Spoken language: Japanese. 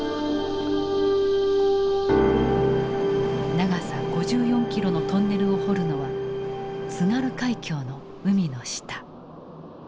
長さ５４キロのトンネルを掘るのは津軽海峡の海の下。